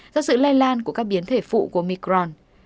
do sự lây lan của các biến thể phụ của micron